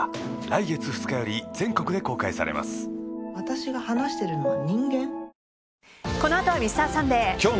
「私が話してるのは人間？」